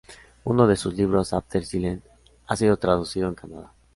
Uno de sus libros, After Silence, ha sido traducido en Canadá.